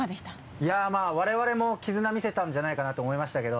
いやまぁ我々も絆見せたんじゃないかなと思いましたけど。